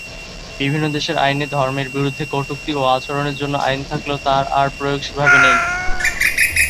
বিভিন্ন দেশের আইনে ধর্মের বিরুদ্ধে কটূক্তি ও আচরণের জন্য আইন থাকলেও তার আর প্রয়োগ সেভাবে নেই।